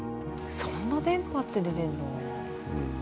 そんな電波って出てんだ。